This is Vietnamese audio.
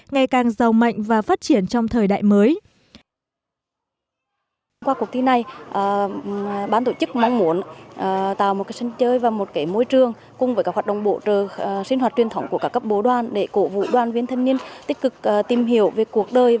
ngày càng giàu mạnh và phát triển trong thời đại mới